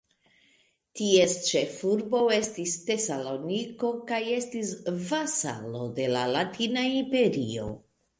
Ties ĉefurbo estis Tesaloniko kaj estis vasalo de la Latina imperio.